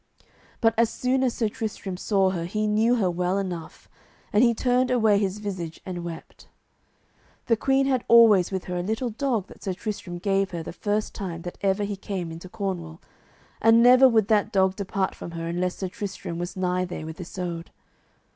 But as soon as Sir Tristram saw her he knew her well enough, and he turned away his visage and wept. The queen had always with her a little dog that Sir Tristram gave her the first time that ever she came into Cornwall, and never would that dog depart from her unless Sir Tristram was nigh there with Isoud.